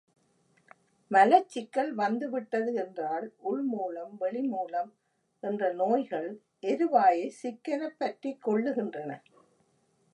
மலச்சிக்கல் வந்து விட்டது என்றால் உள் மூலம், வெளி மூலம் என்ற நோய்கள் எருவாயைச் சிக்கெனப் பற்றிக் கொள்ளுகின்றன.